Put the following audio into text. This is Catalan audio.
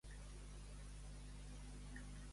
Estar-ne més que el Met de la burra.